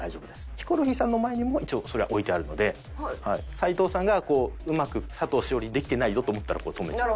ヒコロヒーさんの前にも一応それは置いてあるので「齊藤さんがうまく佐藤栞里できてないよ」と思ったら止めちゃって。